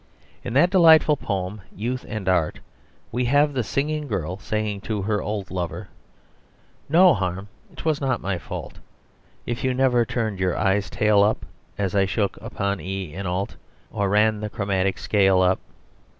In that delightful poem "Youth and Art" we have the singing girl saying to her old lover "No harm! It was not my fault If you never turned your eye's tail up As I shook upon E in alt, Or ran the chromatic scale up."